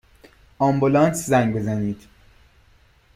آمبولانس زنگ بزنید!